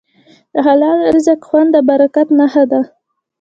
د حلال رزق خوند د برکت نښه ده.